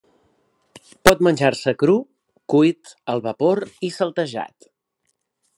Pot menjar-se cru, cuit, al vapor, i saltejat.